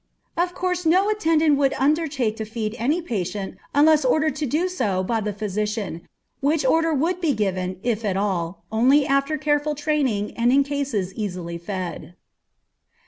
Of course no attendant would undertake to feed any patient unless ordered to do so by the physician, which order would be given, if at all, only after careful training and in cases easily fed.